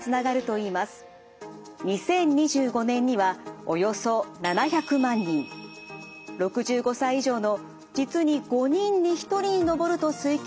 ２０２５年にはおよそ７００万人６５歳以上の実に５人に１人に上ると推計される認知症。